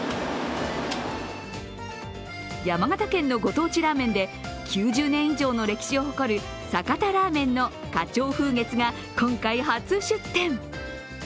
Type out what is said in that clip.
山形県のご当地ラーメンで９０年以上の歴史を誇る酒田ラーメンの花鳥風月が今回、初出店。